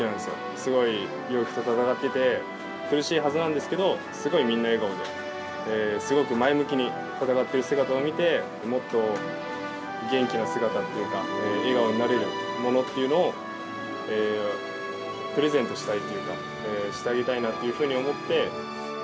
すごい病気と闘ってて、苦しいはずなんですけど、すごいみんな笑顔で、すごく前向きに闘ってる姿を見て、もっと元気な姿っていうか、笑顔になれるものっていうのを、プレゼントしたいというか、してあげたいなというふうに思って。